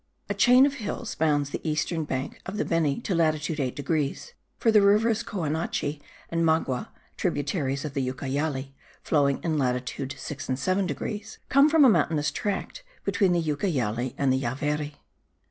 A chain of hills bounds the eastern bank of the Beni to latitude 8 degrees; for the rivers Coanache and Magua, tributaries of the Ucayali (flowing in latitude 6 and 7 degrees) come from a mountainous tract between the Ucayali and the Javari.